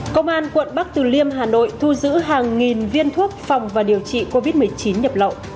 các bạn hãy đăng ký kênh để ủng hộ kênh của chúng mình nhé